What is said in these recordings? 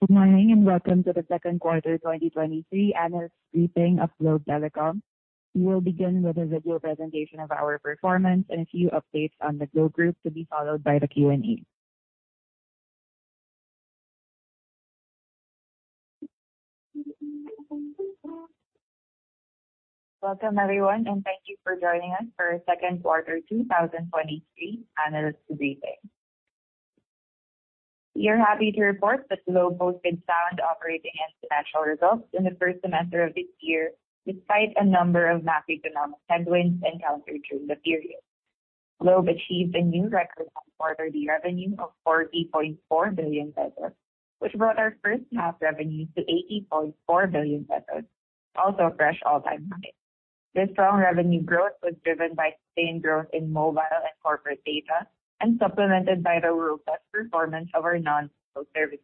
Good morning, welcome to the second quarter 2023 analyst briefing of Globe Telecom. We will begin with a video presentation of our performance and a few updates on the Globe Group, to be followed by the Q&A. Welcome, everyone, thank you for joining us for our second quarter 2023 analyst briefing. We are happy to report that Globe posted sound operating and financial results in the first semester of this year, despite a number of macroeconomic headwinds encountered during the period. Globe achieved a new record on quarterly revenue of 40.4 billion pesos, which brought our first half revenue to 80.4 billion pesos, also a fresh all-time high. This strong revenue growth was driven by sustained growth in mobile and corporate data and supplemented by the robust performance of our non-telco services.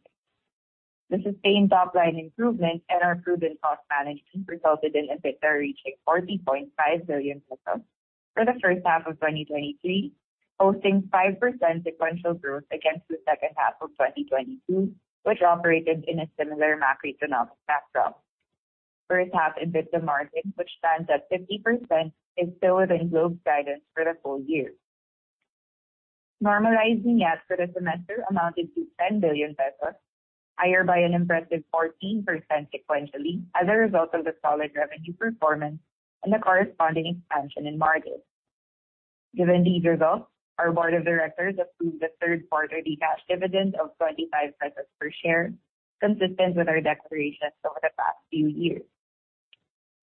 The sustained top-line improvement and our proven cost management resulted in EBITDA reaching 40.5 billion pesos for the first half of 2023, posting 5% sequential growth against the second half of 2022, which operated in a similar macroeconomic backdrop. First half EBITDA margin, which stands at 50%, is still within Globe's guidance for the full year. Normalizing EPS for the semester amounted to 10 billion pesos, higher by an impressive 14% sequentially, as a result of the solid revenue performance and the corresponding expansion in margins. Given these results, our board of directors approved the third quarterly cash dividend of 25 pesos per share, consistent with our declarations over the past few years.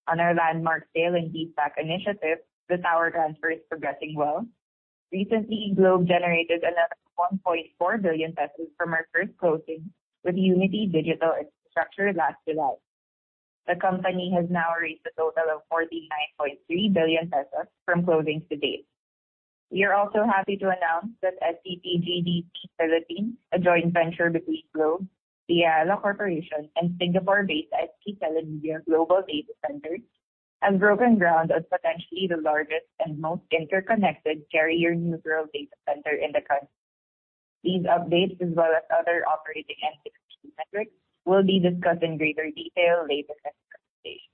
On our landmark sale and leaseback initiative, the tower transfer is progressing well. Recently, Globe generated another 1.4 billion pesos from our first closing with Unity Digital Infrastructure last July. The company has now raised a total of 49.3 billion pesos from closings to date. We are also happy to announce that STT GDC Philippines, a joint venture between Globe, the Ayala Corporation, and Singapore-based ST Telemedia Global Data Centres, has broken ground on potentially the largest and most interconnected carrier-neutral data center in the country. These updates, as well as other operating and financial metrics, will be discussed in greater detail later in the presentation.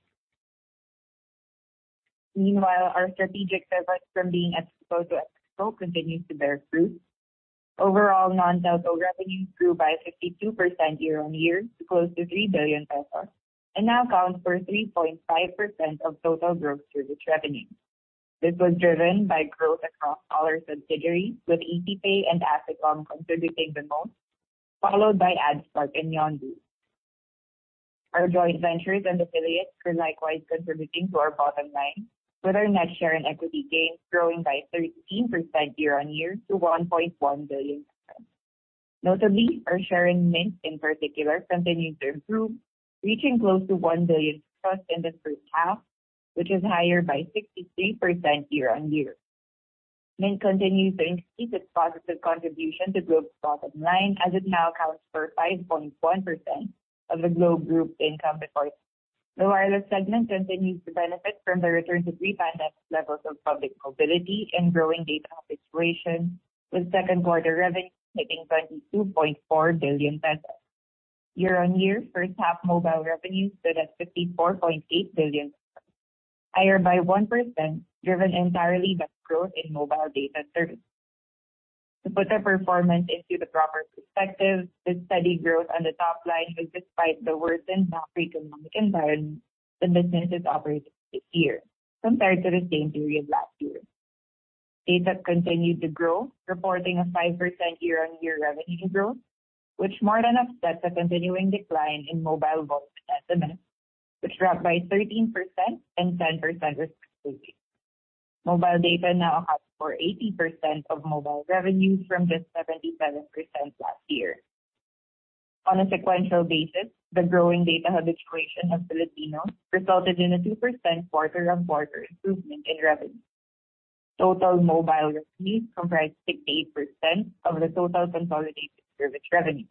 Meanwhile, our strategic efforts from being telco to techco continues to bear fruit. Overall, non-telco revenues grew by 52% year-over-year to close to 3 billion pesos and now account for 3.5% of total Globe service revenue. This was driven by growth across all our subsidiaries, with ECPay and Asticom contributing the most, followed by AdSpark and Yondu. Our joint ventures and affiliates are likewise contributing to our bottom line, with our net share and equity gains growing by 13% year-over-year to 1.1 billion. Notably, our share in Mynt, in particular, continues to improve, reaching close to 1 billion in the first half, which is higher by 63% year-over-year. Mynt continues to increase its positive contribution to Globe's bottom line, as it now accounts for 5.1% of the Globe Group income before tax. The wireless segment continues to benefit from the return to pre-pandemic levels of public mobility and growing data habituation, with second quarter revenue hitting 22.4 billion pesos. Year-on-year, first half mobile revenue stood at 54.8 billion pesos, higher by 1%, driven entirely by growth in mobile data services. To put the performance into the proper perspective, this steady growth on the top line was despite the worsened macroeconomic environment the businesses operated this year compared to the same period last year. Data continued to grow, reporting a 5% year-on-year revenue growth, which more than offsets the continuing decline in mobile voice segments, which dropped by 13% and 10%, respectively. Mobile data now accounts for 80% of mobile revenues, from just 77% last year. On a sequential basis, the growing data habituation of Filipinos resulted in a 2% quarter-on-quarter improvement in revenue. Total mobile revenues comprised 68% of the total consolidated service revenue,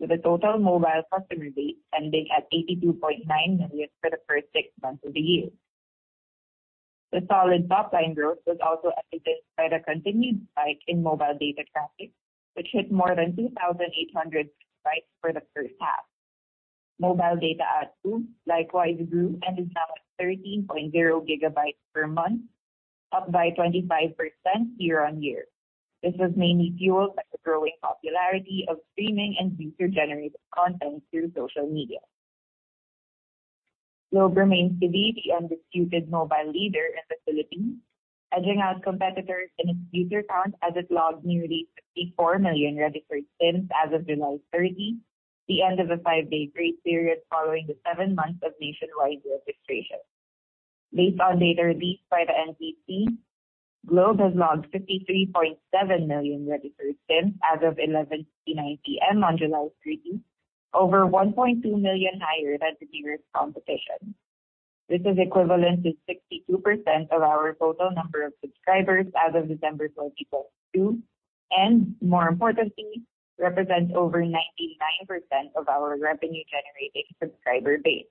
with the total mobile customer base standing at 82.9 million for the first six months of the year. The solid top-line growth was also evidenced by the continued spike in mobile data traffic, which hit more than 2,800 terabytes for the first half. Mobile data add too, likewise grew and is now at 13.0 GB per month, up by 25% year-over-year. This was mainly fueled by the growing popularity of streaming and user-generated content through social media. Globe remains to be the undisputed mobile leader in the Philippines, edging out competitors in its user count as it logged nearly 54 million registered SIMs as of July 30, the end of a five-day grace period following the seven months of nationwide registration. Based on data released by the NTC, Globe has logged 53.7 million registered SIMs as of 11:59 P.M. on July 30, over 1.2 million higher than the nearest competition. This is equivalent to 62% of our total number of subscribers as of December 2022, and more importantly, represents over 99% of our revenue-generating subscriber base.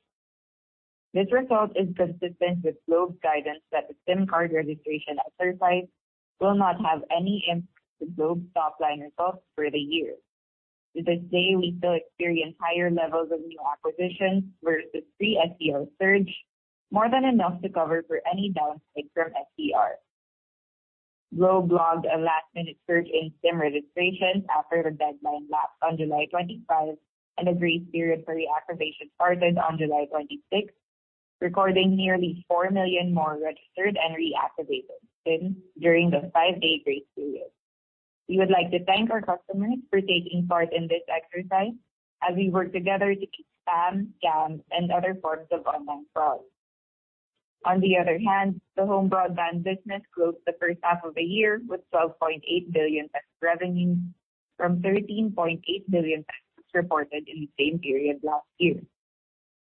This result is consistent with Globe's guidance that the SIM card registration exercise will not have any impact to Globe's top-line results for the year. To this day, we still experience higher levels of new acquisitions versus pre-SCR surge, more than enough to cover for any downside from SCR. Globe logged a last-minute surge in SIM registrations after the deadline lapsed on July 25 and a grace period for reactivation started on July 26, recording nearly 4 million more registered and reactivated SIMs during the five day grace period. We would like to thank our customers for taking part in this exercise as we work together to curb spam, scams, and other forms of online fraud. On the other hand, the home broadband business closed the first half of the year with 12.8 billion revenue from 13.8 billion reported in the same period last year.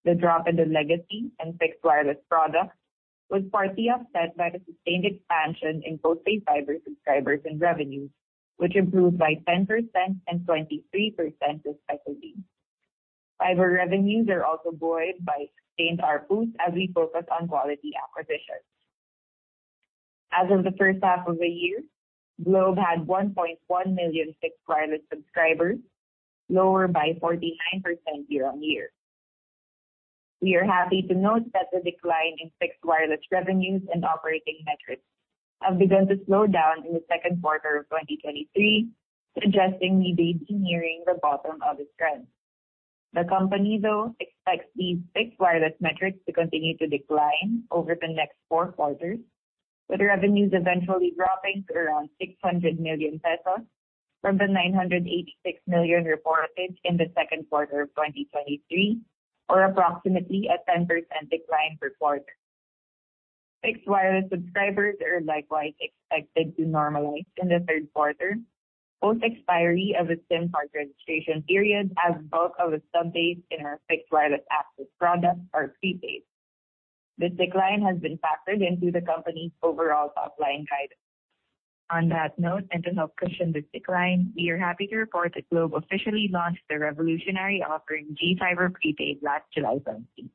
The drop in the legacy and fixed wireless products was partly offset by the sustained expansion in both paid fiber subscribers and revenues, which improved by 10% and 23%, respectively. Fiber revenues are also buoyed by sustained ARPU as we focus on quality acquisitions. As of the first half of the year, Globe had 1.1 million fixed wireless subscribers, lower by 49% year-over-year. We are happy to note that the decline in fixed wireless revenues and operating metrics have begun to slow down in the 2Q 2023, suggesting we may be nearing the bottom of this trend. The company, though, expects these fixed wireless metrics to continue to decline over the next four quarters, with revenues eventually dropping to around 600 million pesos from the 986 million reported in the 2Q 2023, or approximately a 10% decline per quarter. Fixed wireless subscribers are likewise expected to normalize in the 3Q, post expiry of the SIM card registration period, as bulk of the subbase in our fixed wireless access products are prepaid. This decline has been factored into the company's overall top-line guidance. On that note, and to help cushion this decline, we are happy to report that Globe officially launched the revolutionary offering, GFiber Prepaid, last July seventeenth.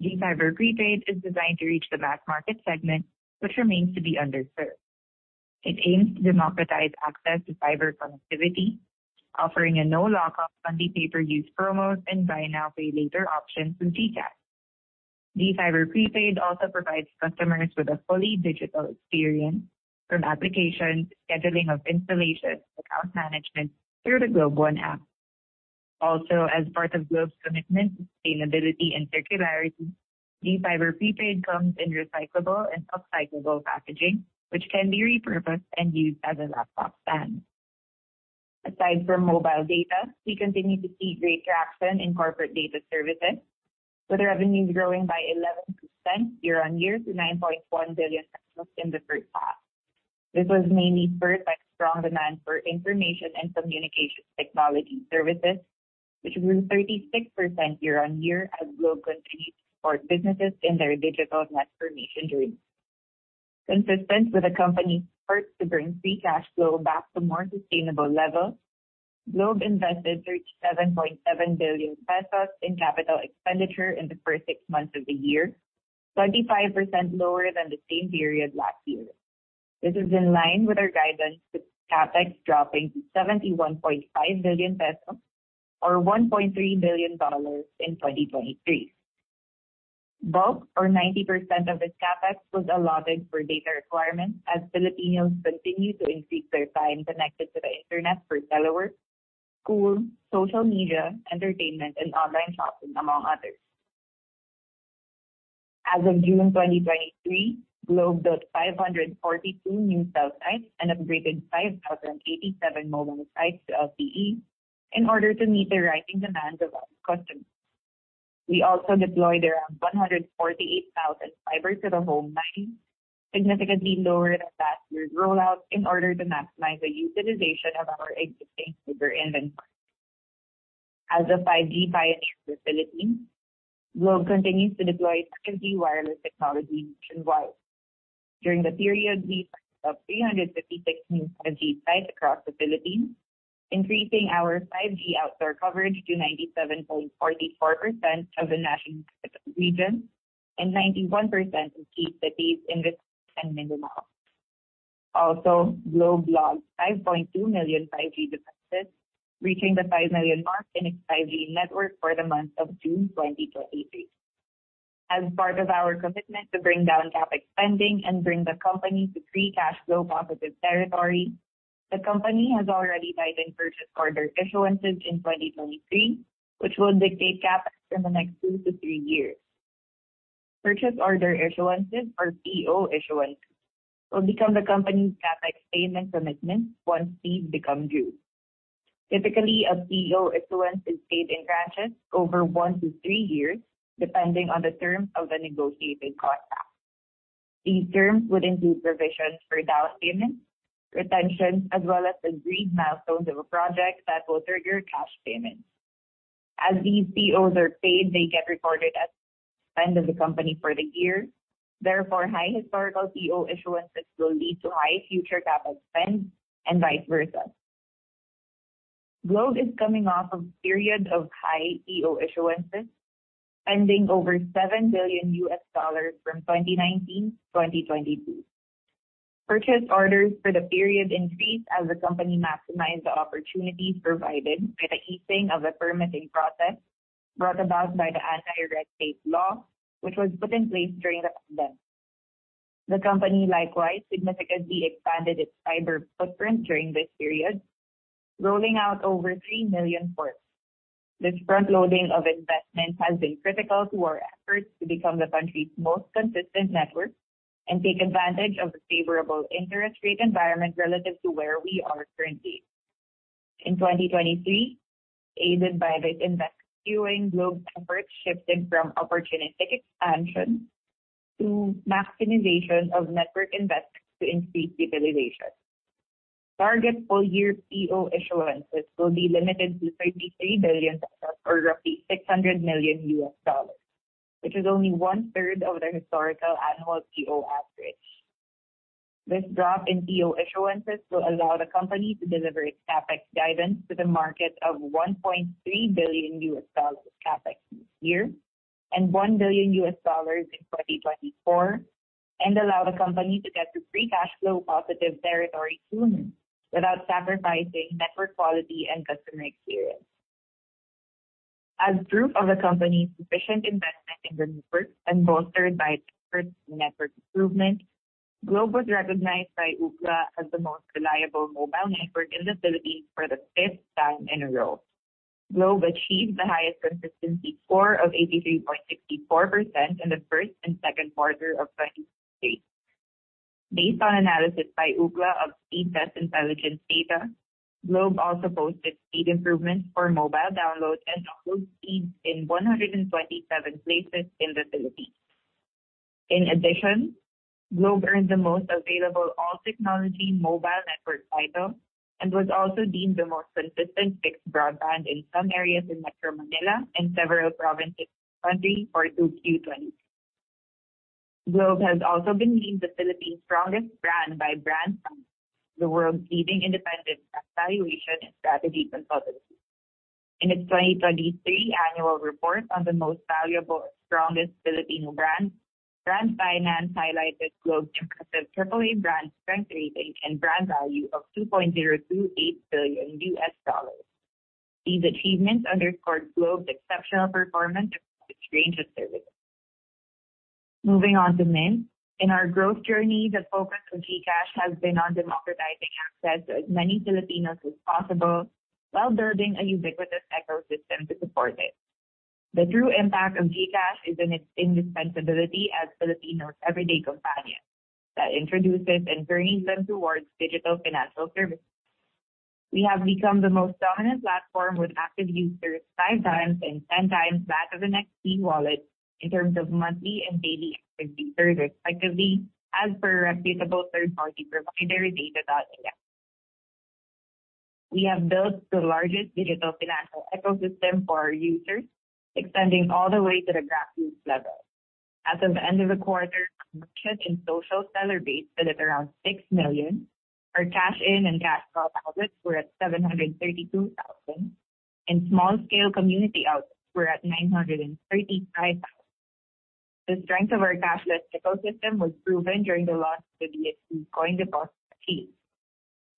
GFiber Prepaid is designed to reach the mass market segment, which remains to be underserved. It aims to democratize access to fiber connectivity, offering a no lock-up, pay-as-you-use promos, and buy now, pay later options through GCash. GFiber Prepaid also provides customers with a fully digital experience, from application to scheduling of installations, account management through the GlobeOne app. Also, as part of Globe's commitment to sustainability and circularity, GFiber Prepaid comes in recyclable and upcyclable packaging, which can be repurposed and used as a laptop stand. Aside from mobile data, we continue to see great traction in corporate data services, with revenues growing by 11% year-on-year to 9.1 billion pesos in the first half. This was mainly spurred by strong demand for information and communications technology services, which grew 36% year-on-year as Globe continued to support businesses in their digital transformation journey. Consistent with the company's efforts to bring free cash flow back to more sustainable levels, Globe invested 37.7 billion pesos in capital expenditure in the first six months of the year, 25% lower than the same period last year. This is in line with our guidance, with CapEx dropping to 71.5 billion pesos or $1.3 billion in 2023. Bulk or 90% of this CapEx was allotted for data requirements as Filipinos continue to increase their time connected to the internet for telework, school, social media, entertainment, and online shopping, among others. As of June 2023, Globe built 542 new cell sites and upgraded 5,087 mobile sites to LTE in order to meet the rising demands of our customers. We also deployed around 148,000 fiber-to-the-home lines, significantly lower than last year's rollout, in order to maximize the utilization of our existing fiber inventory. As a 5G pioneer in the Philippines, Globe continues to deploy 5G wireless technology nationwide. During the period, we launched up 356 new 5G sites across the Philippines, increasing our 5G outdoor coverage to 97.44% of the national regions and 91% in key cities in Luzon and Mindanao. Globe logged 5.2 million 5G connections, reaching the 5 million mark in its 5G network for the month of June 2023. As part of our commitment to bring down CapEx spending and bring the company to free cash flow positive territory, the company has already guided purchase order issuances in 2023, which will dictate CapEx in the next two to three years. Purchase order issuances or PO issuances will become the company's CapEx payment commitment once fees become due. Typically, a PO issuance is paid in tranches over one to three years, depending on the terms of the negotiated contract. These terms would include provisions for down payments, retention, as well as agreed milestones of a project that will trigger cash payments. As these POs are paid, they get recorded as spend of the company for the year. Therefore, high historical PO issuances will lead to high future CapEx spend and vice versa. Globe is coming off of periods of high PO issuances, spending over $7 billion from 2019 to 2022. Purchase orders for the period increased as the company maximized the opportunities provided by the easing of the permitting process brought about by the Anti-Red Tape Law, which was put in place during the pandemic. The company likewise significantly expanded its fiber footprint during this period, rolling out over 3 million ports. This frontloading of investment has been critical to our efforts to become the country's most consistent network and take advantage of the favorable interest rate environment relative to where we are currently. In 2023, aided by this investment, Globe's efforts shifted from opportunistic expansion to maximization of network investments to increase utilization. Target full year PO issuances will be limited to PHP 33 billion, or roughly $600 million, which is only one-third of the historical annual PO average. This drop in PO issuances will allow the company to deliver its CapEx guidance to the market of $1.3 billion CapEx this year, and $1 billion in 2024, and allow the company to get to free cash flow positive territory sooner, without sacrificing network quality and customer experience. As proof of the company's sufficient investment in the network and bolstered by efforts in network improvement, Globe was recognized by Ookla as the most reliable mobile network in the Philippines for the fifth time in a row. Globe achieved the highest consistency score of 83.64% in the first and second quarter of 2023. Based on analysis by Ookla of Speedtest Intelligence data, Globe also posted speed improvements for mobile download and upload speeds in 127 places in the Philippines. In addition, Globe earned the Most Available All Technology Mobile Network title, and was also deemed the most consistent fixed broadband in some areas in Metro Manila and several provinces in the country for 2Q 2023. Globe has also been named the Philippines' Strongest Brand by Brand Finance, the world's leading independent brand valuation and strategy consultancy. In its 2023 annual report on the most valuable and strongest Filipino brands, Brand Finance highlighted Globe's impressive triple A brand strength rating and brand value of $2.028 billion. These achievements underscore Globe's exceptional performance across its range of services. Moving on to Fintech. In our growth journey, the focus of GCash has been on democratizing access to as many Filipinos as possible, while building a ubiquitous ecosystem to support it. The true impact of GCash is in its indispensability as Filipinos' everyday companion that introduces and brings them towards digital financial services. We have become the most dominant platform, with active users 5x and 10x that of the next e-wallet in terms of monthly and daily active users, respectively, as per reputable third-party provider data.ai. We have built the largest digital financial ecosystem for our users, extending all the way to the grassroots level. At the end of the quarter, our merchant and social seller base stood at around 6 million. Our cash in and cash out outlets were at 732,000, and small-scale community outlets were at 935,000. The strength of our cashless ecosystem was proven during the launch of the BSP coin deposit scheme.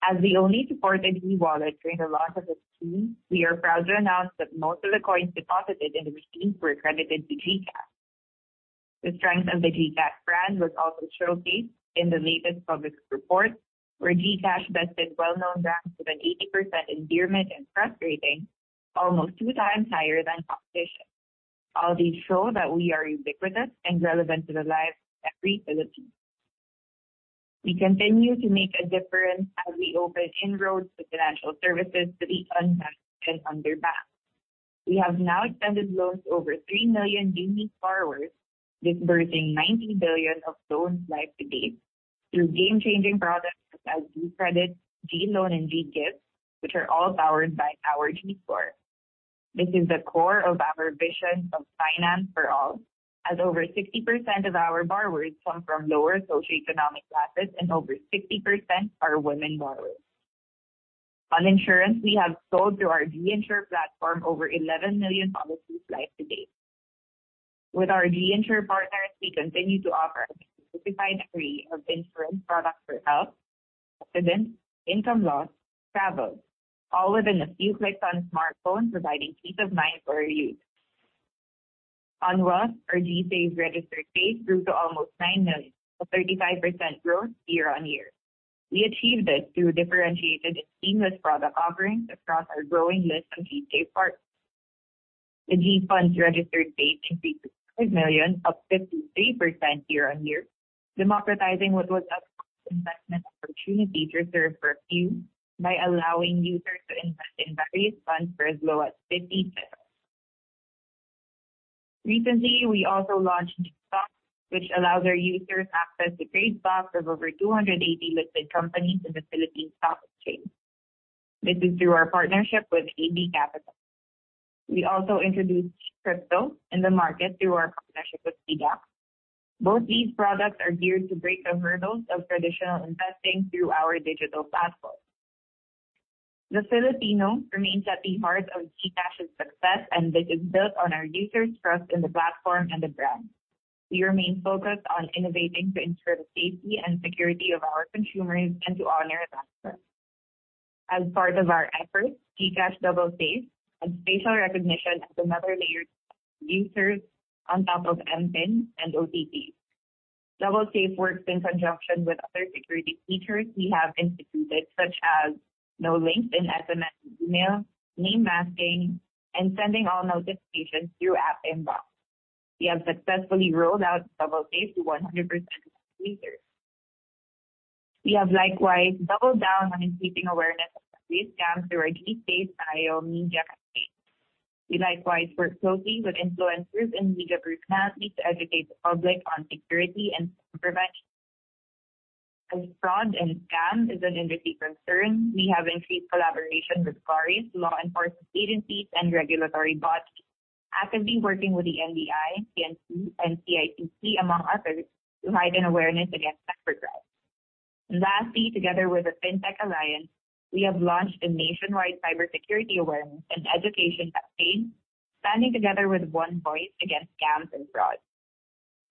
As the only supported e-wallet during the launch of the scheme, we are proud to announce that most of the coins deposited in the scheme were credited to GCash. The strength of the GCash brand was also showcased in the latest public report, where GCash bested well-known banks with an 80% endearment and trust rating, almost 2x higher than competition. All these show that we are ubiquitous and relevant to the lives of every Filipino. We continue to make a difference as we open inroads to financial services to the unbanked and underbanked. We have now extended loans to over 3 million unique borrowers, disbursing 90 billion of loans life to date through game-changing products such as GCredit, GLoan, and GGives, which are all powered by our GScore. This is the core of our vision of finance for all, as over 60% of our borrowers come from lower socioeconomic classes and over 60% are women borrowers. On insurance, we have sold through our GInsure platform over 11 million policies life to date. With our GInsure partners, we continue to offer a demystified array of insurance products for health, accidents, income loss, travel, all within a few clicks on a smartphone, providing peace of mind for our users. On wealth, our GSave registered base grew to almost 9 million, a 35% growth year-over-year. We achieved this through differentiated and seamless product offerings across our growing list of GSave partners. The GFunds registered base increased to 5 million, up 53% year-over-year, democratizing what was otherwise investment opportunities reserved for a few by allowing users to invest in various funds for as low as 50. Recently, we also launched GStocks PH, which allows our users access to trade stocks of over 280 listed companies in the Philippine Stock Exchange. This is through our partnership with AB Capital. We also introduced GCrypto in the market through our partnership with PDAX. Both these products are geared to break the hurdles of traditional investing through our digital platform. The Filipino remains at the heart of GCash's success. This is built on our users' trust in the platform and the brand. We remain focused on innovating to ensure the safety and security of our consumers and to honor that trust. As part of our efforts, GCash Double Safe and facial recognition is another layer to users on top of MPIN and OTP. Double Safe works in conjunction with other security features we have instituted, such as no links in SMS and email, name masking, and sending all notifications through app inbox. We have successfully rolled out Double Safe to 100% of users. We have likewise doubled down on increasing awareness of these scams through our GSafeTayo media campaign. We likewise work closely with influencers and legal group companies to educate the public on security and prevention. As fraud and scam is an industry concern, we have increased collaboration with authorities, law enforcement agencies, and regulatory bodies, actively working with the NBI, PNP, and CICC, among others, to heighten awareness against cybercrime. Lastly, together with the Fintech Alliance, we have launched a nationwide cybersecurity awareness and education campaign, standing together with one voice against scams and fraud.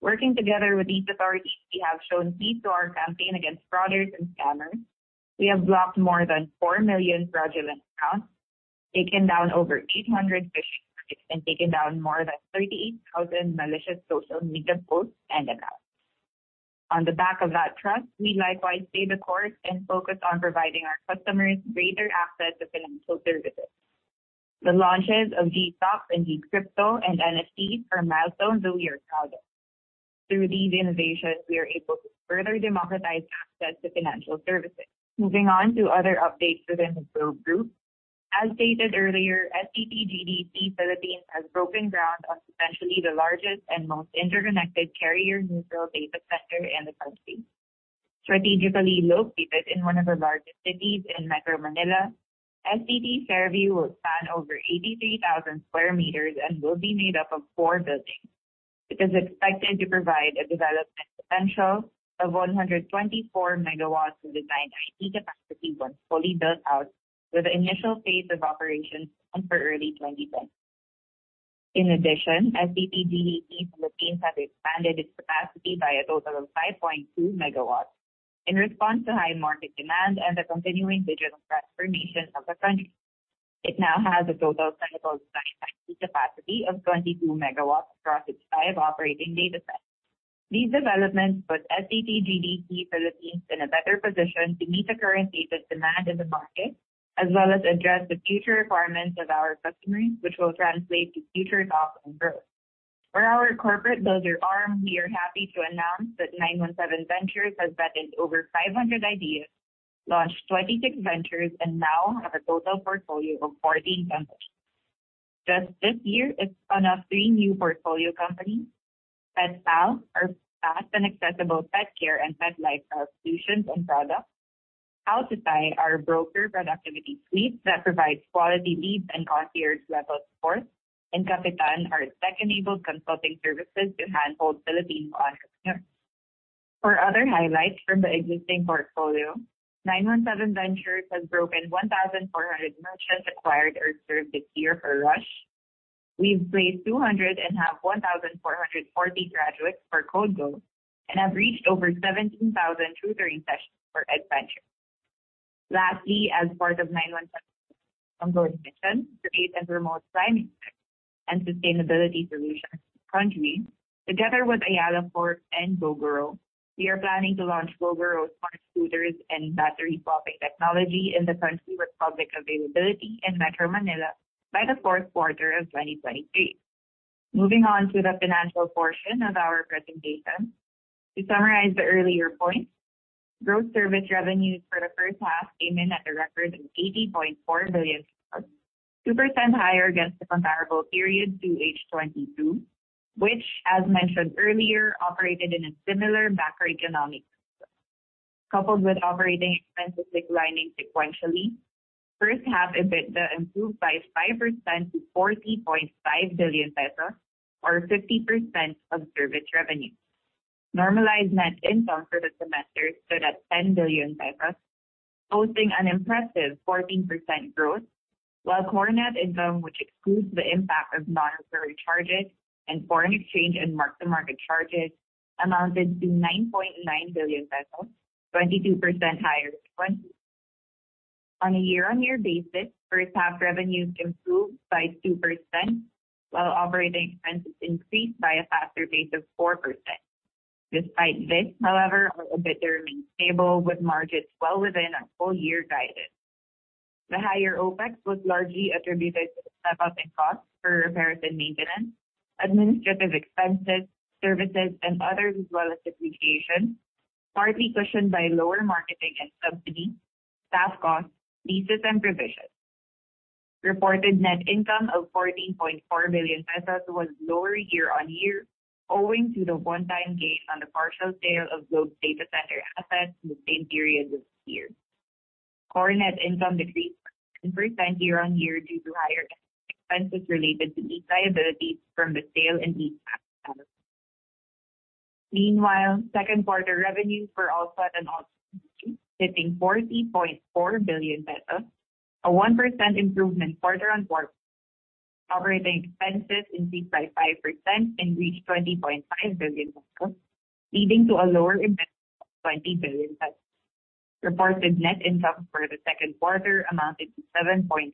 Working together with these authorities, we have shown heat to our campaign against fraudsters and scammers. We have blocked more than 4 million fraudulent accounts, taken down over 800 phishing sites, and taken down more than 38,000 malicious social media posts and accounts. On the back of that trust, we likewise stay the course and focus on providing our customers greater access to financial services. The launches of GStocks and GCrypto and NFT are milestones that we are proud of. Through these innovations, we are able to further democratize access to financial services. Moving on to other updates within the Globe Group. As stated earlier, STT GDC Philippines has broken ground on potentially the largest and most interconnected carrier-neutral data center in the country. Strategically located in one of the largest cities in Metro Manila, STT Fairview will span over 83,000 square meters and will be made up of four buildings. It is expected to provide a development potential of 124 MW of design IT capacity once fully built out, with an initial phase of operations planned for early 2020. In addition, STT GDC Philippines has expanded its capacity by a total of 5.2 MW in response to high market demand and the continuing digital transformation of the country. It now has a total clinical design IT capacity of 22 MW across its five operating data centers. These developments put STT GDC Philippines in a better position to meet the current data demand in the market, as well as address the future requirements of our customers, which will translate to future growth and growth. For our corporate builder arm, we are happy to announce that 917Ventures has vetted over 500 ideas, launched 26 ventures, and now have a total portfolio of 14 companies. Just this year, it spun off three new portfolio companies: PetPal, are fast and accessible pet care and pet lifestyle solutions and products; Alta, our broker productivity suite that provides quality leads and concierge-level support; and Capitan, our tech-enabled consulting services to handhold Filipino entrepreneurs. For other highlights from the existing portfolio, 917Ventures has broken 1,400 merchants acquired or served this year for RUSH. We've placed 200 and have 1,440 graduates for KodeGo and have reached over 17,000 tutoring sessions for EdVenture. Lastly, as part of 917Ventures' ongoing mission to create and promote climate tech and sustainability solutions in the country, together with Ayala Corp and Gogoro, we are planning to launch Gogoro smart scooters and battery swapping technology in the country, with public availability in Metro Manila by the fourth quarter of 2023. Moving on to the financial portion of our presentation. To summarize the earlier points, gross service revenues for the first half came in at a record of 80.4 billion, 2% higher against the comparable period to H 2022, which, as mentioned earlier, operated in a similar macroeconomic backdrop. Coupled with operating expenses declining sequentially, first half EBITDA improved by 5% to 40.5 billion pesos, or 50% of service revenue. Normalized net income for the semester stood at PHP 10 billion, posting an impressive 14% growth, while core net income, which excludes the impact of non-recurring charges and foreign exchange and mark-to-market charges, amounted to 9.9 billion pesos, 22% higher than. On a year-on-year basis, first half revenues improved by 2%, while operating expenses increased by a faster rate of 4%. Despite this, however, our EBITDA remains stable, with margins well within our full-year guidance. The higher OpEx was largely attributed to the step-up in costs for repairs and maintenance, administrative expenses, services, and others, as well as depreciation, partly cushioned by lower marketing and subsidies, staff costs, leases, and provisions. Reported net income of 14.4 billion pesos was lower year-on-year, owing to the one-time gain on the partial sale of Globe's data center assets in the same period this year. Core net income decreased in first time year-on-year due to higher expenses related to lease liabilities from the sale and leaseback. Meanwhile, second quarter revenues hitting PHP 40.4 billion, a 1% improvement quarter-on-quarter. Operating expenses increased by 5% and reached 20.5 billion pesos, leading to a llower level of 20 billion pesos. Reported net income for the second quarter amounted to 7.1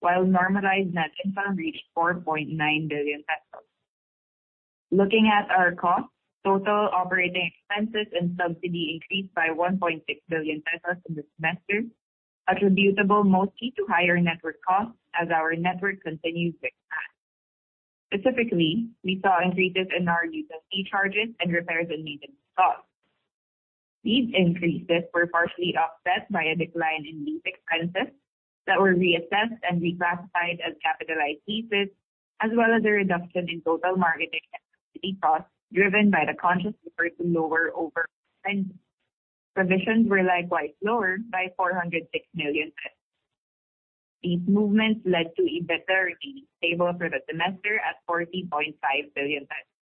billion, while normalized net income reached 4.9 billion pesos. Looking at our costs, total operating expenses and subsidy increased by 1.6 billion pesos in the semester, attributable mostly to higher network costs as our network continues to expand. Specifically, we saw increases in our usage fee charges and repairs and maintenance costs. These increases were partially offset by a decline in lease expenses that were reassessed and reclassified as capitalized leases, as well as a reduction in total marketing costs, driven by the conscious effort to lower overspending. Provisions were likewise lower by 406 million pesos. These movements led to EBITDA remaining stable for the semester at 40.5 billion pesos.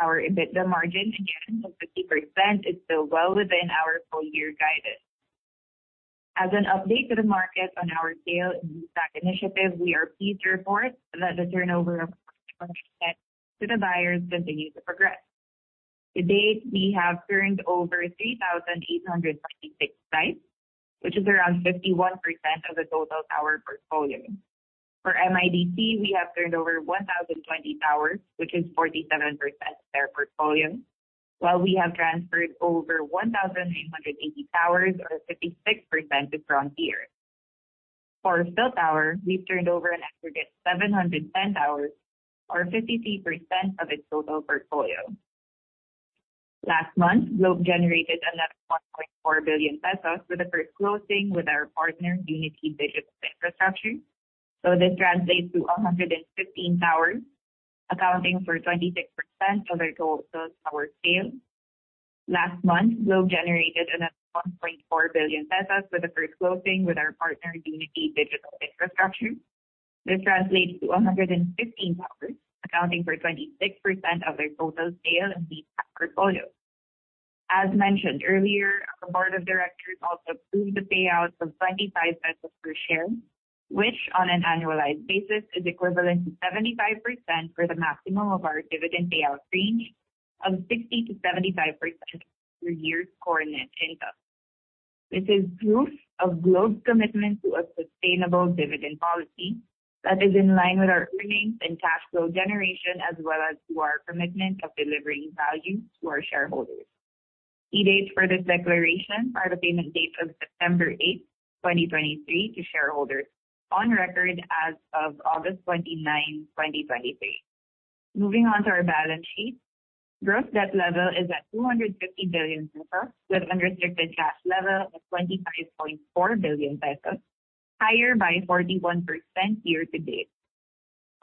Our EBITDA margin, again, of 50%, is still well within our full year guidance. As an update to the market on our sale and leaseback initiative, we are pleased to report that the turnover of to the buyers continues to progress. To date, we have turned over 3,866 sites, which is around 51% of the total tower portfolio. For MIDC, we have turned over 1,020 towers, which is 47% of their portfolio, while we have transferred over 1,980 towers, or 56% to Frontier. For PhilTower, we've turned over an aggregate 710 towers, or 53% of its total portfolio. Last month, Globe generated another 1.4 billion pesos for the first closing with our partner, Unity Digital Infrastructure. This translates to 115 towers, accounting for 26% of their total tower sale. Last month, Globe generated another 1.4 billion pesos for the first closing with our partner, Unity Digital Infrastructure. This translates to 115 towers, accounting for 26% of their total sale in the portfolio. As mentioned earlier, our board of directors also approved the payout of 25 pesos per share, which, on an annualized basis, is equivalent to 75% for the maximum of our dividend payout range of 60%-75% per year's core net income. This is proof of Globe's commitment to a sustainable dividend policy that is in line with our earnings and cash flow generation, as well as to our commitment of delivering value to our shareholders. Key dates for this declaration are the payment dates of September 8, 2023, to shareholders on record as of August 29, 2023. Moving on to our balance sheet. Gross debt level is at 250 billion pesos, with unrestricted cash level of 25.4 billion pesos, higher by 41% year-to-date.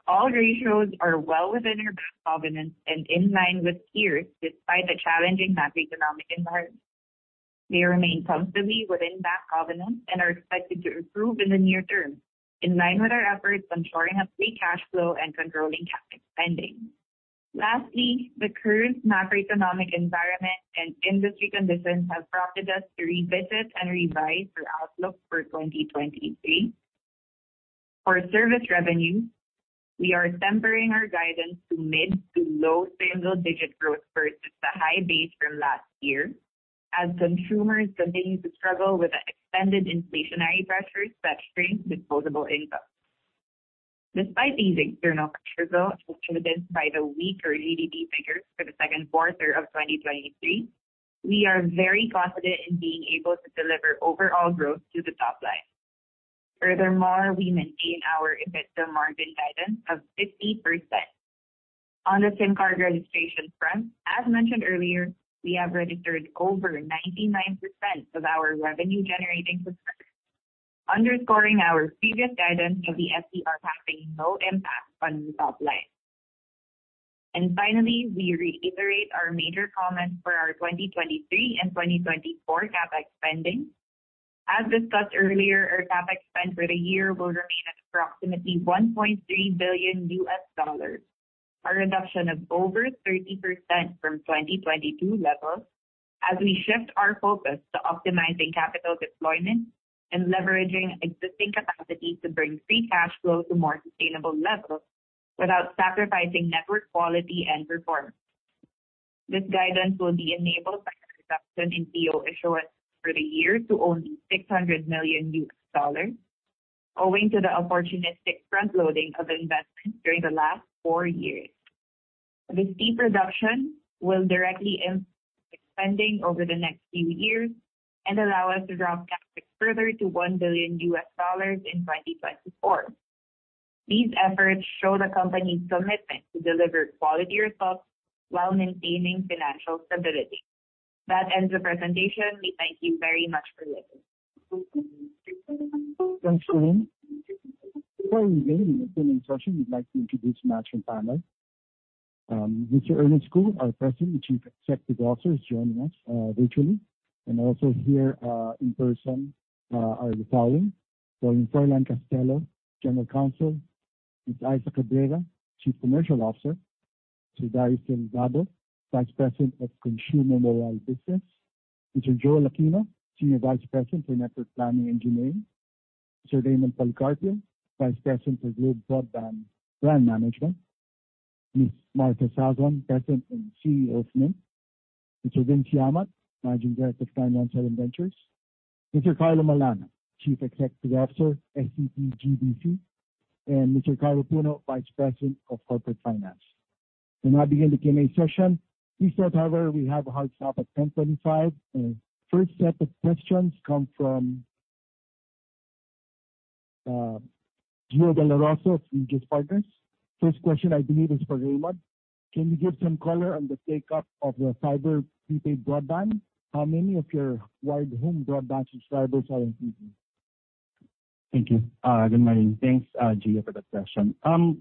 All ratios are well within our bank covenants and in line with peers, despite the challenging macroeconomic environment. They remain comfortably within bank covenants and are expected to improve in the near term, in line with our efforts on shoring up free cash flow and controlling CapEx spending. Lastly, the current macroeconomic environment and industry conditions have prompted us to revisit and revise our outlook for 2023. For service revenue, we are tempering our guidance to mid to low single digit growth versus the high base from last year, as consumers continue to struggle with the extended inflationary pressures that strain disposable income. Despite these external pressures, though, as evidenced by the weaker GDP figures for the second quarter of 2023, we are very confident in being able to deliver overall growth to the top line. Furthermore, we maintain our EBITDA margin guidance of 50%. On the SIM card registration front, as mentioned earlier, we have registered over 99% of our revenue generating subscribers, underscoring our previous guidance of the SCR having no impact on the top line. Finally, we reiterate our major comments for our 2023 and 2024 CapEx spending. As discussed earlier, our CapEx spend for the year will remain at approximately $1.3 billion, a reduction of over 30% from 2022 levels, as we shift our focus to optimizing capital deployment and leveraging existing capacity to bring free cash flow to more sustainable levels without sacrificing network quality and performance. This guidance will be enabled by a reduction in PO issuance for the year to only $600 million, owing to the opportunistic front loading of investments during the last four years. This deep reduction will directly impact spending over the next few years and allow us to drop CapEx further to $1 billion in 2024. These efforts show the company's commitment to deliver quality results while maintaining financial stability. That ends the presentation. We thank you very much for listening. Before we begin the Q&A session, we'd like to introduce our panel. Mr. Ernest Cu, our President and Chief Executive Officer is joining us virtually. Also here in person are the following: Mr. Froilan Castelo, General Counsel, Ms. Issa Cabreira, Chief Commercial Officer, Mr. Darius Delgado, Vice President of Consumer Mobile Business, Mr. Joel Aquino, Senior Vice President for Network Planning Engineering, Mr. Raymond Policarpio, Vice President for Globe Broadband Brand Management, Ms. Martha Sazon, President and CEO of Mynt, Mr. Vince Yamat, Managing Director, 917Ventures, Mr. Carlo Malana, Chief Executive Officer, STT GDC, and Mr. Carlo Puno, Vice President of Corporate Finance. We now begin the Q&A session. Please note, however, we have a hard stop at 10:25. First set of questions come from Gio Dela Rosa of UBS Partners. First question, I believe, is for Raymond. Can you give some color on the take-up of the GFiber Prepaid? How many of your wide home broadband subscribers are increasing? Thank you. Good morning. Thanks, Gio, for that question.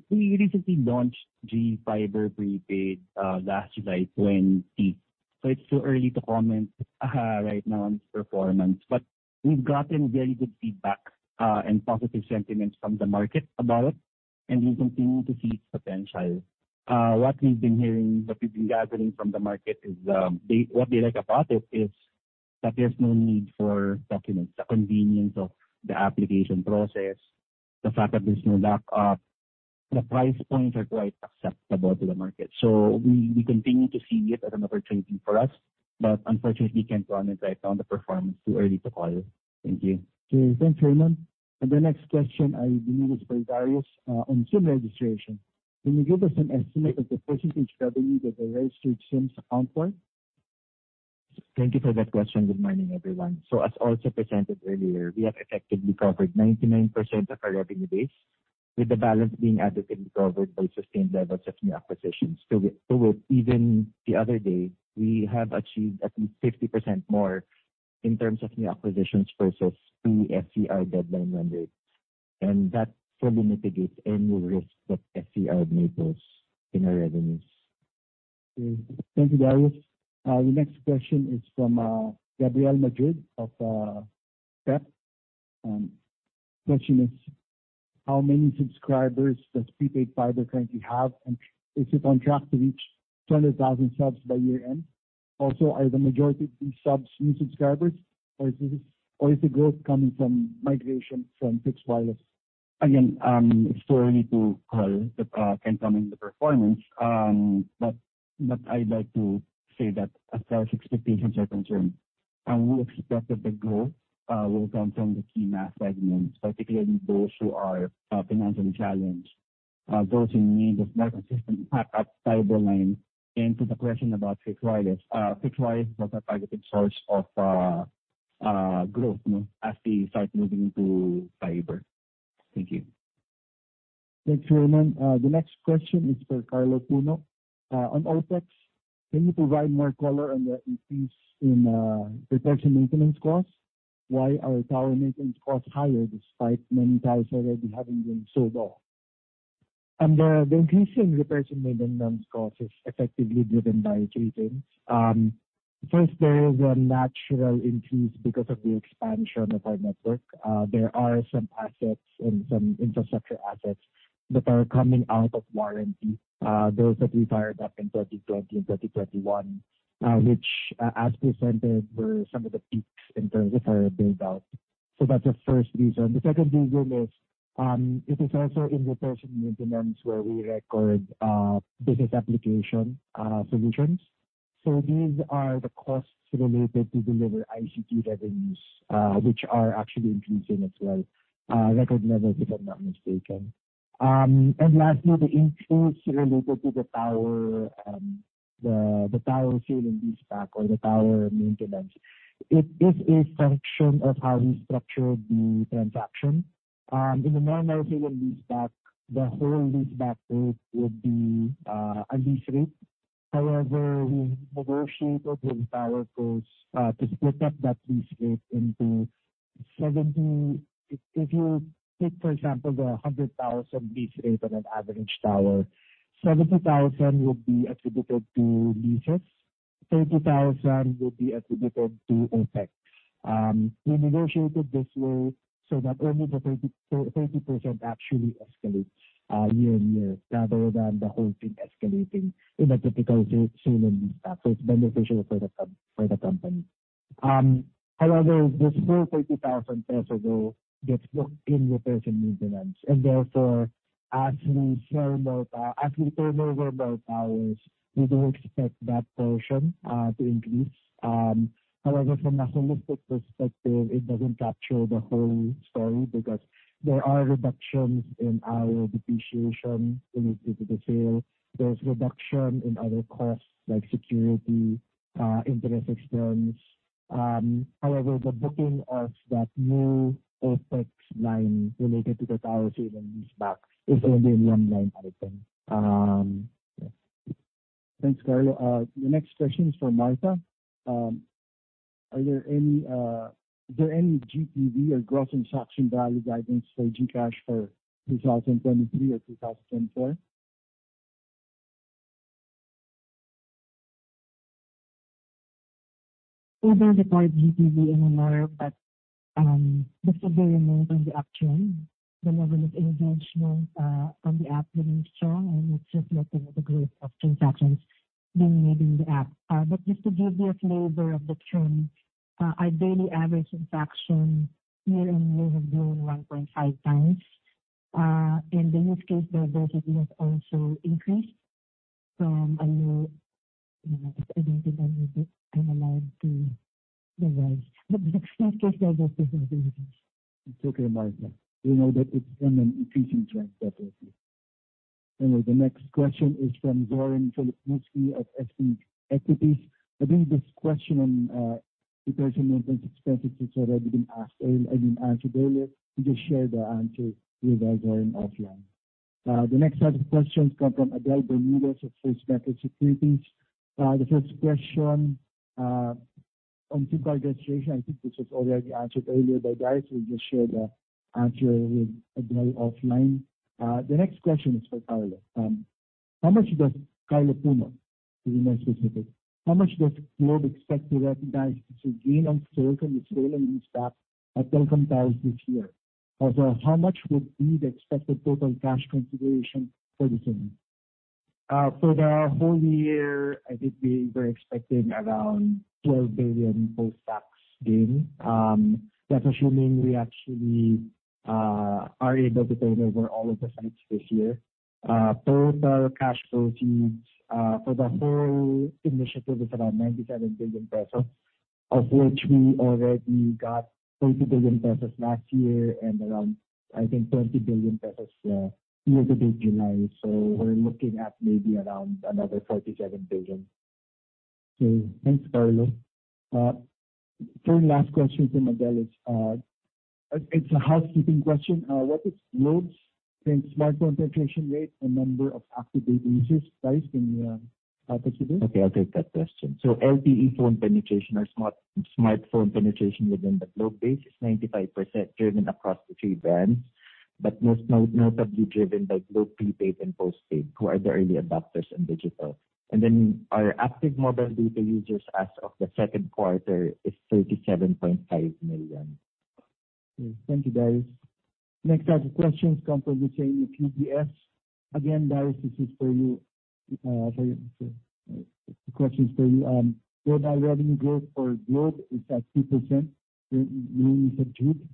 We recently launched GFiber Prepaid last July 20. It's too early to comment right now on its performance. We've gotten very good feedback and positive sentiments from the market about it, and we continue to see its potential. What we've been hearing, what we've been gathering from the market is, they, what they like about it is that there's no need for documents, the convenience of the application process, the fact that there's no backup. The price points are quite acceptable to the market. We, we continue to see it as an opportunity for us, but unfortunately, we can't comment right now on the performance. Too early to call. Thank you. Okay, thanks, Raymond. The next question, I believe, is for Darius, on SIM registration. Can you give us an estimate of the % revenue that the registered SIMs account for? Thank you for that question. Good morning, everyone. As also presented earlier, we have effectively covered 99% of our revenue base, with the balance being adequately covered by sustained levels of new acquisitions. With even the other day, we have achieved at least 50% more in terms of new acquisitions versus the SCR deadline rendered, and that fully mitigates any risk that SCR may pose in our revenues. Okay. Thank you, Darius. The next question is from Gabriel Madrid of PEP. Question is: How many subscribers does Prepaid Fiber currently have, and is it on track to reach 20,000 subs by year-end? Also, are the majority of these subs new subscribers, or is the growth coming from migration from fixed wireless? It's too early to call the incoming the performance, but I'd like to say that as far as expectations are concerned, we expect that the growth will come from the key mass segments, particularly those who are financially challenged, those who need a more consistent fiber line. To the question about fixed wireless, fixed wireless was a positive source of growth no, as we start moving to fiber. Thank you. Thanks, Raymond. The next question is for Carlo Puno. On OpEx, can you provide more color on the increase in repairs and maintenance costs? Why are tower maintenance costs higher, despite many towers already having been sold off? The increase in repairs and maintenance costs is effectively driven by two things. First, there is a natural increase because of the expansion of our network. There are some assets and some infrastructure assets that are coming out of warranty, those that we fired up in 2020 and 2021, which as presented, were some of the peaks in terms of our build-out. That's the first reason. The second reason is, it is also in repairs and maintenance where we record business application solutions. These are the costs related to deliver ICT revenues, which are actually increasing as well, record levels, if I'm not mistaken. Lastly, the increase related to the tower, the tower sale and lease back or the tower maintenance. It is a function of how we structured the transaction. In the normal sale and lease back, the whole lease back rate would be a lease rate. However, we negotiated with towercos to split up that lease rate into 70. If you take, for example, the 100,000 lease rate on an average tower, 70,000 would be attributable to leases, 30,000 would be attributable to OpEx. We negotiated this way so that only the 30% actually escalates year-on-year, rather than the whole thing escalating in a typical lease sale and lease back. It's beneficial for the company. However, this whole 30,000 pesos though, gets booked in repairs and maintenance, and therefore, as we sell about as we turn over our towers, we don't expect that portion to increase. However, from a holistic perspective, it doesn't capture the whole story because there are reductions in our depreciation related to the sale. There's reduction in other costs like security, interest expense. However, the booking of that new OpEx line related to the tower sale and lease back is only in one line item. Yes. Thanks, Carlo. The next question is for Martha. Is there any GPV or gross transaction value guidance for GCash for 2023 or 2024? We don't report GPV anymore, this will be remains on the uptrend. The level of engagement on the app remains strong, and it's reflecting the growth of transactions being made in the app. Just to give you a flavor of the trend, our daily average transaction year-on-year have grown 1.5x. In the use case, diversity has also increased from a low, you know, I don't think I'm allowed to revise. Use case diversity has increased. It's okay, Martha. We know that it's been an increasing trend definitely. The next question is from Warren Phillip Muski of SB Equities. I think this question on in terms of expenses has already been asked and answered earlier. We just shared the answer with our Warren offline. The next set of questions come from Adele Bermudez of Maybank Securities. The first question on super registration, I think this was already answered earlier by guys. We just shared the answer with Adele offline. The next question is for Carlo. How much does Carlo Puno, to be more specific, how much does Globe expect to recognize its gain on sale from the sale and leaseback at Frontier Tower this year? Also, how much would be the expected total cash consideration for the same? For the whole year, I think we were expecting around 12 billion post-tax gain. That's assuming we actually are able to turn over all of the sites this year. Total cash proceeds for the whole initiative is around 97 billion pesos, of which we already got 20 billion pesos last year and around, I think, 20 billion pesos year to date July. We're looking at maybe around another 47 billion. Okay. Thanks, Carlo. Third and last question from Adele is, it's a housekeeping question. What is Globe's LTE smartphone penetration rate and number of active data users, guys, can you help us with this? Okay, I'll take that question. LTE phone penetration or smartphone penetration within the Globe base is 95% driven across the 3 brands, but most notably driven by Globe Prepaid and postpaid, who are the early adopters in digital. Our active mobile data users as of the second quarter is 37.5 million. Okay. Thank you, guys. Next set of questions come from the same UBS. Again, guys, this is for you. Sorry, the question is for you. Global revenue growth for Globe is at 2%, mainly subdued.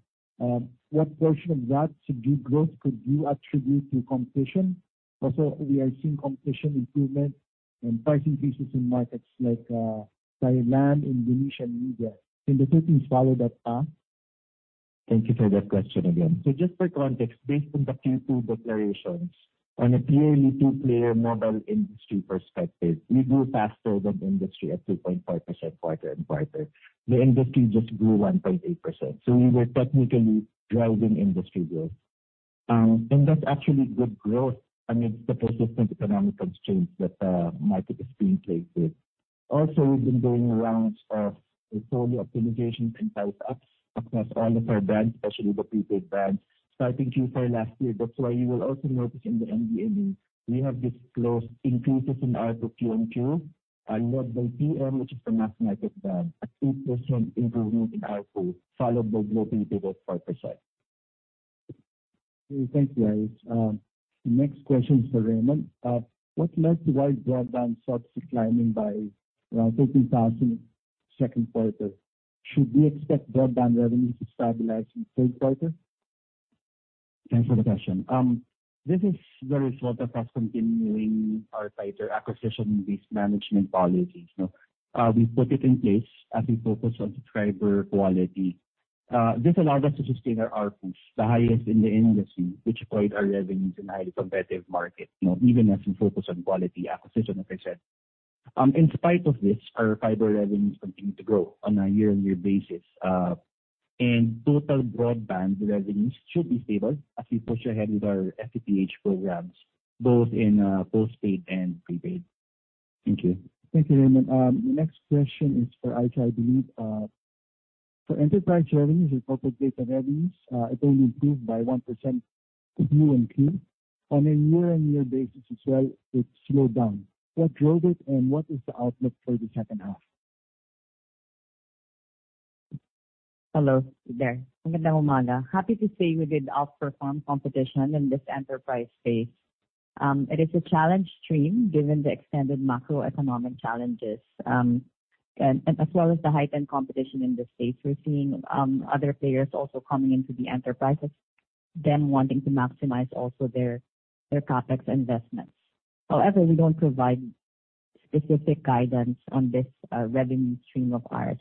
What portion of that subdued growth could you attribute to competition? Also, we are seeing competition improvement and pricing increases in markets like Thailand, Indonesia and India. Can the Philippines follow that path? Thank you for that question again. Just for context, based on the Q2 declarations on a clearly two-player model industry perspective, we grew faster than industry at 2.5% quarter-on-quarter. The industry just grew 1.8%, so we were technically driving industry growth. That's actually good growth amidst the persistent economic constraints that the market is being faced with. Also, we've been doing a round of solely optimization and tight ups across all of our brands, especially the prepaid brands, starting Q4 last year. That's why you will also notice in the MD&A, we have disclosed increases in ARPU Q on Q, and led by TM, which is the postpartum, a 2% improvement in ARPU, followed by Globe Prepaid at 5%. Okay, thank you, guys. The next question is for Raymond. What led to why broadband starts declining by around 13,000 second quarter? Should we expect broadband revenue to stabilize in the third quarter? Thanks for the question. This is the result of us continuing our tighter acquisition-based management policies, no. We put it in place as we focus on subscriber quality. This allowed us to sustain our ARPU, the highest in the industry, which buoyed our revenues in a highly competitive market, you know, even as we focus on quality acquisition, like I said. In spite of this, our fiber revenues continue to grow on a year-on-year basis. Total broadband revenues should be stable as we push ahead with our FTTH programs, both in postpaid and prepaid. Thank you. Thank you, Raymond. The next question is for Issa, I believe. Enterprise revenues and total data revenues, it only improved by 1% Q on Q, on a year-on-year basis as well, it slowed down. What drove it, and what is the outlook for the second half? Hello there. Good morning. Happy to say we did outperform competition in this enterprise space. It is a challenge stream, given the extended macroeconomic challenges and as well as the heightened competition in this space. We're seeing other players also coming into the enterprise, with them wanting to maximize also their CapEx investments. However, we don't provide specific guidance on this revenue stream of ours,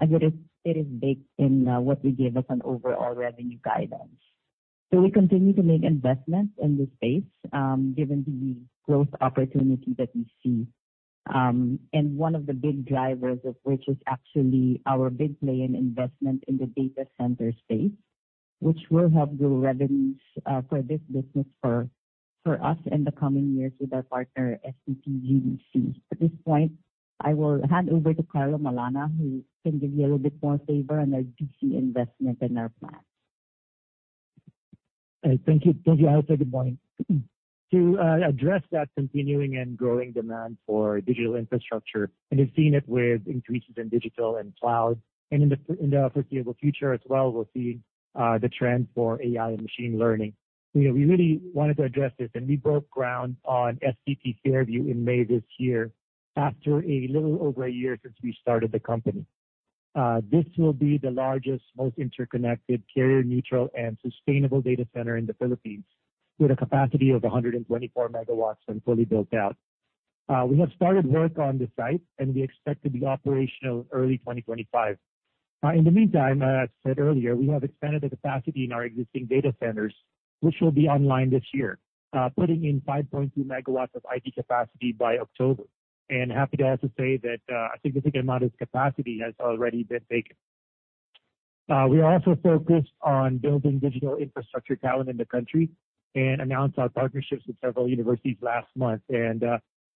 as it is, it is baked in what we give as an overall revenue guidance. We continue to make investments in this space, given the growth opportunity that we see. One of the big drivers of which is actually our big play and investment in the data center space. Which will help grow revenues for this business for us in the coming years with our partner STT GDC. At this point, I will hand over to Carlo Malana, who can give you a little bit more flavor on our DC investment and our plans. Thank you. Thank you, Elsa. Good morning. To address that continuing and growing demand for digital infrastructure. We've seen it with increases in digital and cloud. In the foreseeable future as well, we'll see the trend for AI and machine learning. You know, we really wanted to address this. We broke ground on STT Fairview in May this year, after a little over a year since we started the company. This will be the largest, most interconnected carrier-neutral and sustainable data center in the Philippines, with a capacity of 124 megawatts when fully built out. We have started work on the site. We expect to be operational early 2025. In the meantime, as I said earlier, we have expanded the capacity in our existing data centers, which will be online this year, putting in 5.2 megawatts of IT capacity by October. Happy to also say that a significant amount of this capacity has already been taken. We are also focused on building digital infrastructure talent in the country, and announced our partnerships with several universities last month.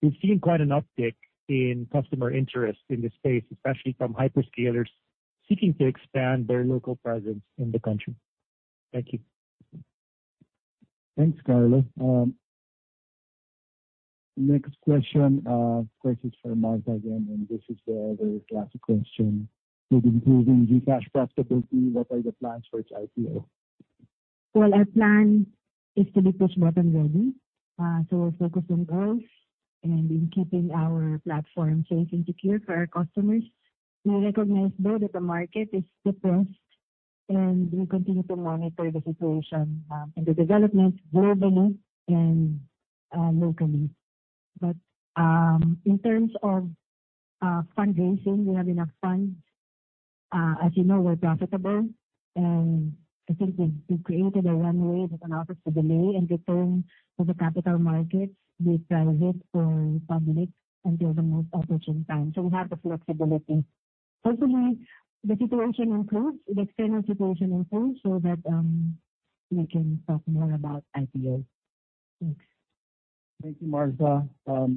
We've seen quite an uptick in customer interest in this space, especially from hyperscalers seeking to expand their local presence in the country. Thank you. Thanks, Carlo. Next question, of course, is for Martha again, and this is a very classic question. With improving GCash profitability, what are the plans for its IPO? Well, our plan is to be push button ready. We're focused on growth and in keeping our platform safe and secure for our customers. We recognize, though, that the market is depressed, we continue to monitor the situation and the developments globally and locally. In terms of fundraising, we have enough funds. As you know, we're profitable, I think we've created a runway that allows us to delay and return to the capital markets, be private or public, until the most opportune time, we have the flexibility. Hopefully, the situation improves, the external situation improves, so that we can talk more about IPO. Thanks. Thank you, Martha. At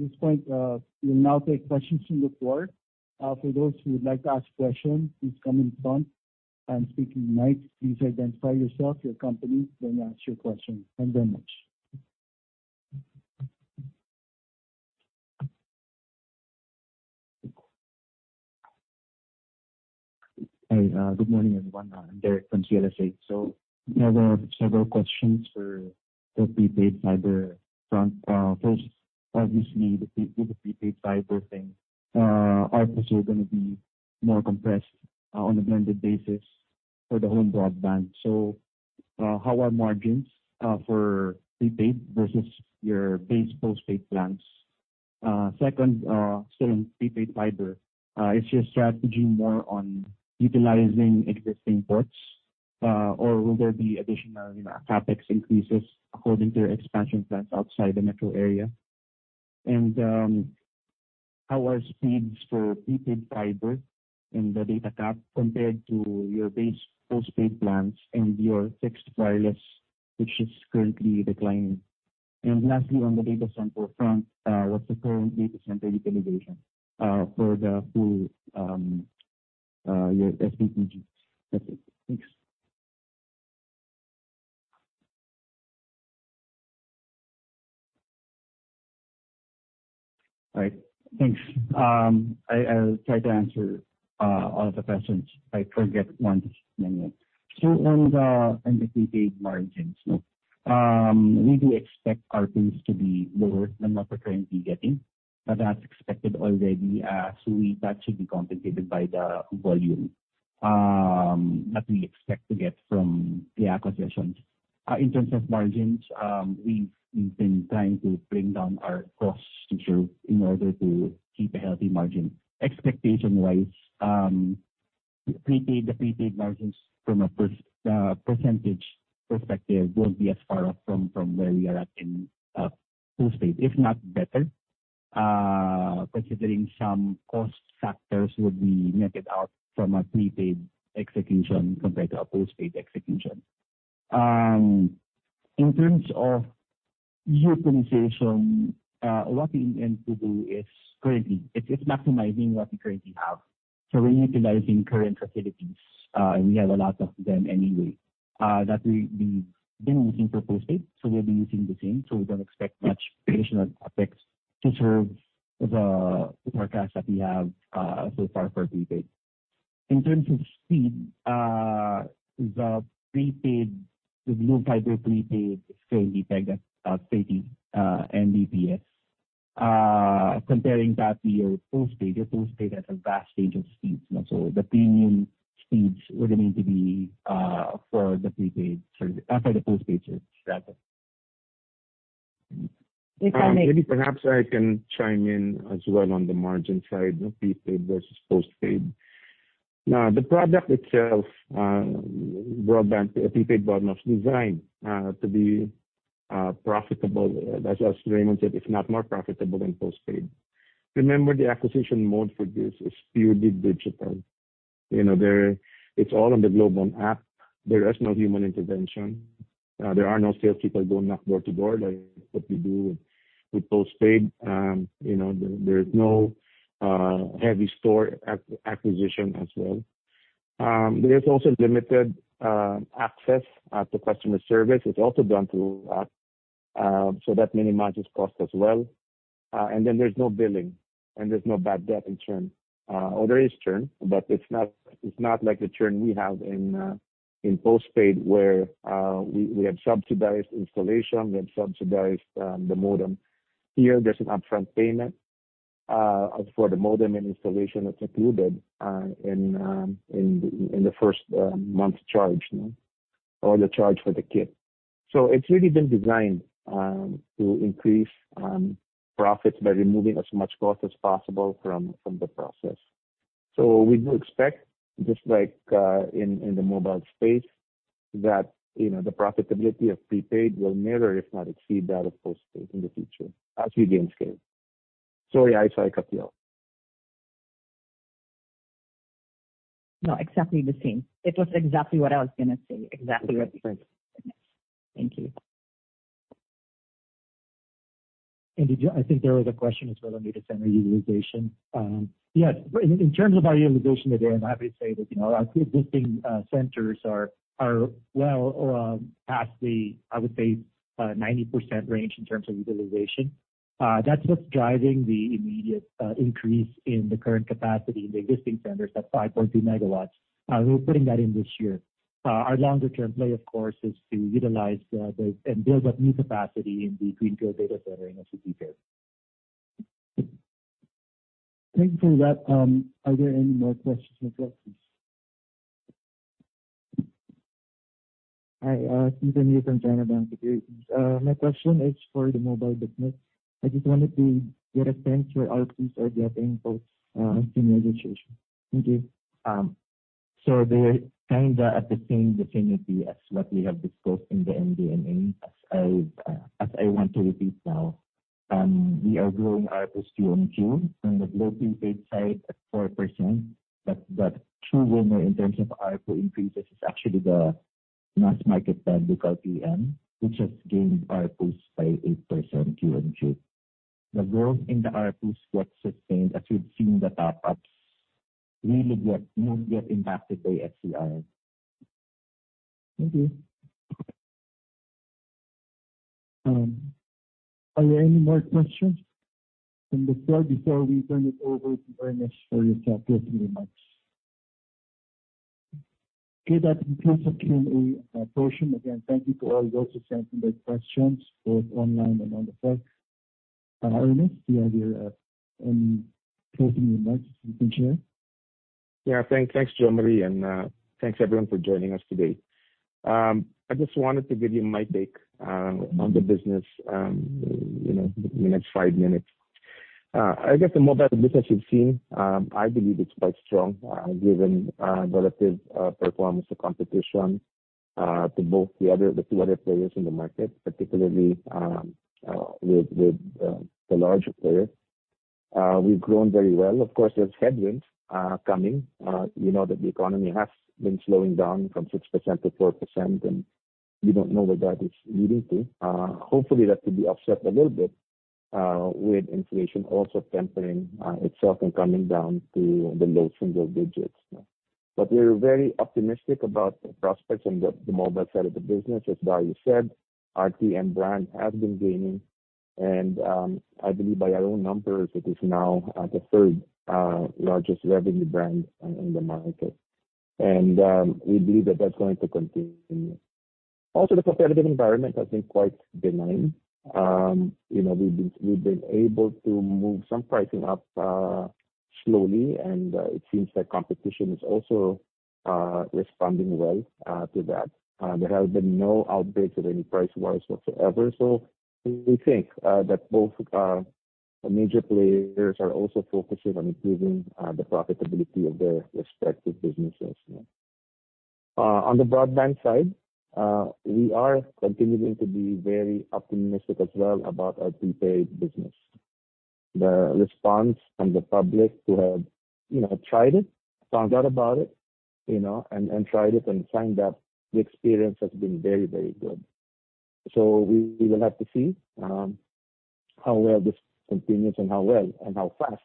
this point, we'll now take questions from the floor. For those who would like to ask questions, please come in front and speak in the mic. Please identify yourself, your company, then ask your question. Thank you very much. Hi, good morning, everyone. I'm Derek from CLSA. We have several questions for the prepaid fiber front. First, obviously, with the prepaid fiber thing, ARPU is going to be more compressed on a blended basis for the home broadband. How are margins for prepaid versus your base postpaid plans? Second, still in prepaid fiber, is your strategy more on utilizing existing ports, or will there be additional, you know, CapEx increases according to your expansion plans outside the metro area? How are speeds for prepaid fiber in the data cap compared to your base postpaid plans and your fixed wireless, which is currently declining? Lastly, on the data center front, what's the current data center utilization for the full your SDPG? That's it. Thanks. All right, thanks. I, I'll try to answer all of the questions. I forget one, just a minute. On the, on the prepaid margins, no. We do expect ARPU to be lower than what we're currently getting, but that's expected already. That should be compensated by the volume that we expect to get from the acquisitions. In terms of margins, we've, we've been trying to bring down our costs to zero in order to keep a healthy margin. Expectation-wise, prepaid, the prepaid margins from a percentage perspective won't be as far off from, from where we are at in postpaid, if not better, considering some cost factors would be knocked out from a prepaid execution compared to a postpaid execution. In terms of utilization, what we intend to do is currently, it's, it's maximizing what we currently have. So we're utilizing current facilities, and we have a lot of them anyway, that we, we've been using for postpaid, so we'll be using the same, so we don't expect much additional CapEx to serve the, the forecast that we have, so far for prepaid. In terms of speed, the prepaid, the blue fiber prepaid is currently pegged at 50 Mbps. Comparing that to your postpaid, your postpaid has a vast range of speeds, you know, so the premium speeds would need to be, for the prepaid, sorry, for the postpaid users. That's it. If I may- Maybe perhaps I can chime in as well on the margin side of prepaid versus postpaid. Now, the product itself, broadband, a prepaid broadband, was designed to be profitable, as, as Raymond said, if not more profitable than postpaid.... Remember, the acquisition mode for this is purely digital. You know, there, it's all on the GlobeOne app. There is no human intervention. There are no sales people going knock door to door, like what we do with, with postpaid. You know, there, there's no heavy store acquisition as well. There's also limited access to customer service. It's also done through app, so that minimizes cost as well. Then there's no billing, and there's no bad debt in churn. Or there is churn, but it's not, it's not like the churn we have in postpaid where we have subsidized installation, we have subsidized the modem. Here, there's an upfront payment for the modem and installation that's included in, in the first month's charge. The charge for the kit. It's really been designed to increase profits by removing as much cost as possible from, from the process. We do expect, just like, in the mobile space, that, you know, the profitability of prepaid will mirror, if not exceed, that of postpaid in the future as we gain scale. Sorry, Issa, sorry, I cut you off. No, exactly the same. It was exactly what I was gonna say. Exactly what I was saying. Thank you. Did you-- I think there was a question as well on data center utilization. Yes, in, in terms of our utilization today, I'm happy to say that, you know, our existing centers are well past the, I would say, 90% range in terms of utilization. That's what's driving the immediate increase in the current capacity in the existing centers, that 5.2 megawatts. We're putting that in this year. Our longer term play, of course, is to utilize and build up new capacity in the greenfield data center in Naic, Cavite. Thank you for that. Are there any more questions from the floor, please? Hi, Peter Ngo from China Banking Corporation. My question is for the mobile business. I just wanted to get a sense where ARPUs are getting growth, in registration. Thank you. They're kinda at the same affinity as what we have discussed in the MD&A. As I want to repeat now, we are growing ARPU Q on Q, on the Globe Postpaid side at 4%. The true winner in terms of ARPU increases is actually the mass market brand, local TM, which has gained ARPUs by 8% QoQ. The growth in the ARPUs was sustained, as you've seen, the top ups really get, not get impacted by FCIR. Thank you. Are there any more questions from the floor before we turn it over to Ernest for his closing remarks? Okay, that concludes the Q&A portion. Thank you to all those who sent in their questions, both online and on the floor. Ernest, do you have your closing remarks you can share? Yeah, thank-thanks, Jamie, thanks everyone for joining us today. I just wanted to give you my take on the business, you know, in the next 5 minutes. I guess the mobile business you've seen, I believe it's quite strong, given relative performance to competition, to both the other, the 2 other players in the market, particularly with, with the larger player. We've grown very well. Of course, there's headwinds coming. We know that the economy has been slowing down from 6% to 4%. We don't know where that is leading to. Hopefully that will be offset a little bit with inflation also tempering itself and coming down to the low single digits. We're very optimistic about the prospects on the mobile side of the business. As Darius said, TM brand has been gaining. I believe by our own numbers, it is now the 3rd largest revenue brand in the market. We believe that that's going to continue. The competitive environment has been quite benign. You know, we've been, we've been able to move some pricing up slowly. It seems like competition is also responding well to that. There has been no outbreaks of any price wars whatsoever. We think that both the major players are also focusing on improving the profitability of their respective businesses. On the broadband side, we are continuing to be very optimistic as well about our prepaid business. The response from the public who have, you know, tried it, forgot about it, you know, and, and tried it and found that the experience has been very, very good. We will have to see how well this continues and how well and how fast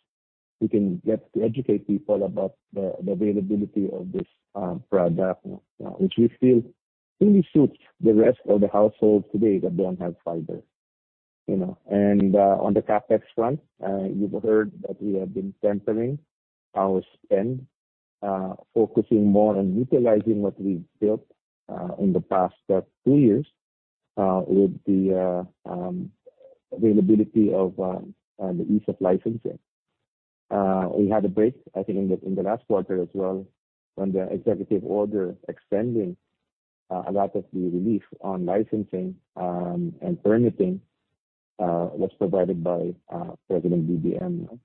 we can get to educate people about the availability of this product, which we feel really suits the rest of the households today that don't have fiber, you know. On the CapEx front, you've heard that we have been tempering our spend, focusing more on utilizing what we've built in the past two years, with the availability of the ease of licensing. We had a break, I think, in the last quarter as well, when the executive order extending a lot of the relief on licensing and permitting was provided by President BBM.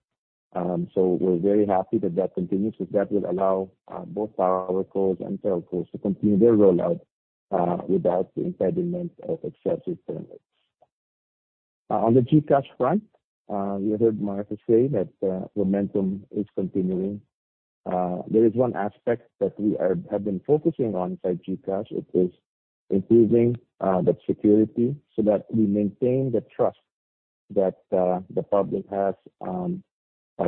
We're very happy that that continues, because that will allow both power poles and telcos to continue their rollout- without the impediment of excessive permits. On the GCash front, you heard Martha say that momentum is continuing. There is one aspect that we are, have been focusing on inside GCash, it is improving the security so that we maintain the trust that the public has, and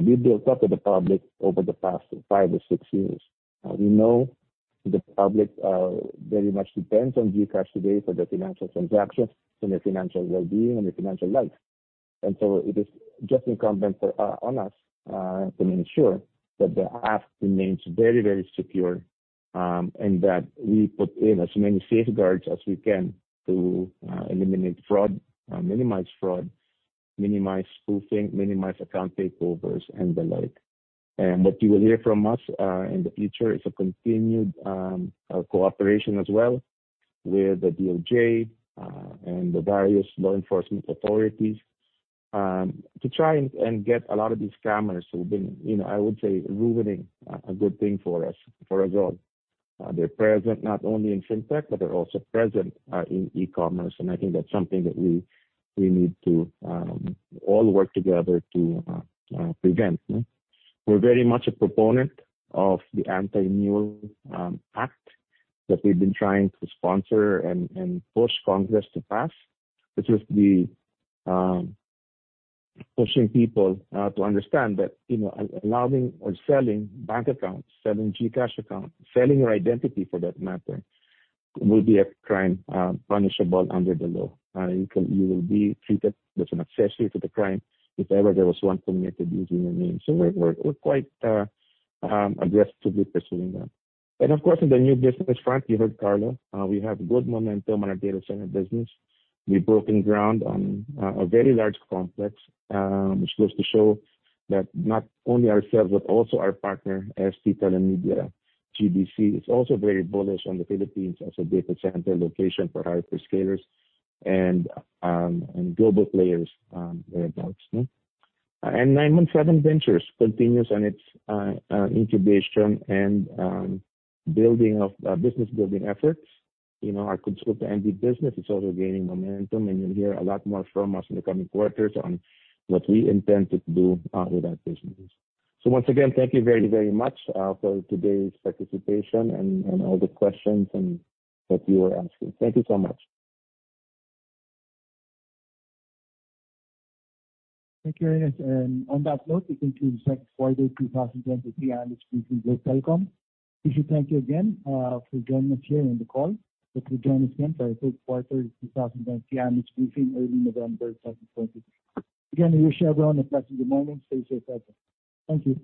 we built up with the public over the past five or six years. We know the public very much depends on GCash today for their financial transactions and their financial well-being and their financial life. It is just incumbent for on us to ensure that the app remains very, very secure, and that we put in as many safeguards as we can to eliminate fraud, minimize fraud, minimize spoofing, minimize account takeovers, and the like. What you will hear from us, in the future is a continued cooperation as well with the DOJ and the various law enforcement authorities, to try and get a lot of these scammers who've been, you know, I would say, ruining a good thing for us all. They're present not only in Fintech, but they're also present in e-commerce, and I think that's something that we need to all work together to prevent, no? We're very much a proponent of the Anti-Mule Act that we've been trying to sponsor and push Congress to pass. Which is the pushing people to understand that you know, allowing or selling bank accounts, selling GCash accounts, selling your identity for that matter, will be a crime, punishable under the law. You will be treated as an accessory to the crime if ever there was one committed using your name. We're, we're, we're quite aggressive to pursuing that. Of course, in the new business front, you heard Carlo. We have good momentum on our data center business. We've broken ground on a very large complex, which goes to show that not only ourselves, but also our partner, ST Telemedia DC, is also very bullish on the Philippines as a data center location for hyperscalers and global players whereabouts, no? nine months, 917Ventures continues on its incubation and building of business building efforts. You know, our KonsultaMD business is also gaining momentum, and you'll hear a lot more from us in the coming quarters on what we intend to do with that business. Once again, thank you very, very much for today's participation and all the questions that you were asking. Thank you so much. Thank you, Ernest. On that note, we conclude the third quarter 2023 analyst briefing with Globe Telecom. We should thank you again for joining us here on the call. Hope you'll join us again for our third quarter 2023 analyst briefing, early November 2023. Again, we wish everyone a pleasant good morning. Stay safe out there. Thank you.